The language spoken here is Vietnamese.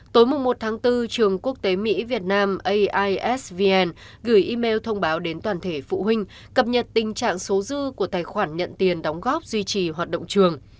tối một tháng bốn trường quốc tế mỹ việt nam aisvn gửi email thông báo đến toàn thể phụ huynh cập nhật tình trạng số dư của tài khoản nhận tiền đóng góp duy trì hoạt động trường